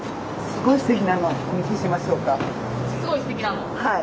すごい。